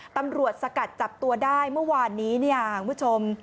สกัดจับตัวได้เมื่อวานนี้เนี่ยคุณผู้ชม